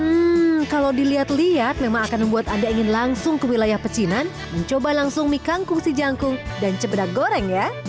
hmm kalau dilihat lihat memang akan membuat anda ingin langsung ke wilayah pecinan mencoba langsung mie kangkung si jangkung dan cebedak goreng ya